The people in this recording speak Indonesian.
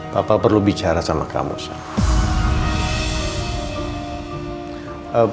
papa perlu bicara sama kamu sah